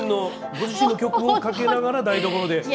ご自身の曲をかけながら台所で？